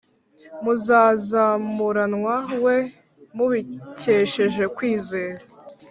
muzazamuranwana we mubikesheje kwizera